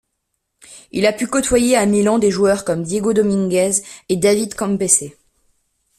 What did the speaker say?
Il a pu côtoyer à Milan des joueurs comme Diego Dominguez et David Campese.